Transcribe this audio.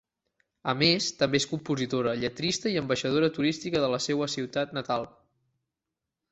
A més, també és compositora, lletrista i ambaixadora turística de la seua ciutat natal.